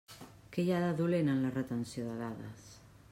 Què hi ha de dolent en la retenció de dades?